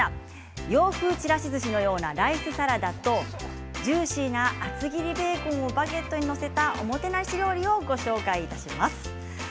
洋風ちらしずしのようなライスサラダとジューシーな厚切りベーコンをバゲットに載せたおもてなし料理をご紹介いたします。